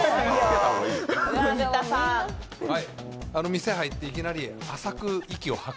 店入って、いきなり浅く息を吐く。